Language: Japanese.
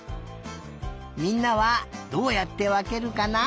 みんなはどうやってわけるかな？